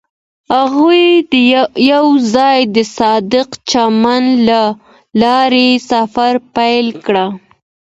هغوی یوځای د صادق چمن له لارې سفر پیل کړ.